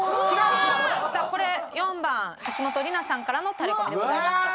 さあこれ４番橋本梨菜さんからのタレコミでございました。